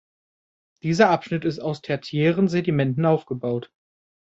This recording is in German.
Dieser Abschnitt ist aus tertiären Sedimenten aufgebaut.